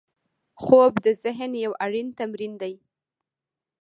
خوب د ذهن یو اړین تمرین دی